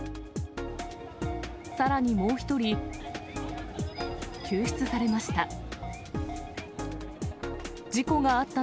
さらにもう１人、救出されました。